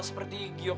seperti gio kan